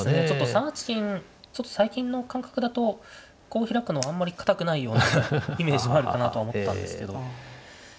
ちょっと３八金最近の感覚だとこう開くのあんまり堅くないようなイメージもあるかなと思ったんですけど。